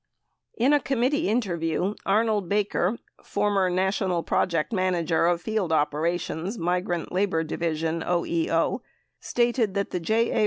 In a committee interview, Arnold Baker, former National Project Manager of Field Operations, Migrant Labor Division, OEO, stated that the J. A.